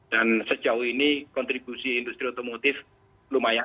dan sejauh ini kontribusi industri otomotif lumayan